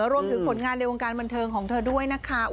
ผลงานในวงการบันเทิงของเธอด้วยนะคะ